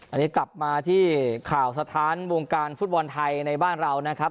อันนี้กลับมาที่ข่าวสถานวงการฟุตบอลไทยในบ้านเรานะครับ